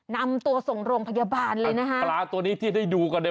นำตัวส่งโรงพยาบาลเลยนะคะปลาตัวนี้ที่ได้ดูกันเนี่ย